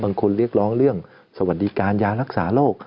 เรียกร้องเรื่องสวัสดิการยารักษาโรค